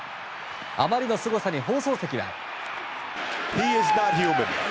あまりのすごさに放送席は。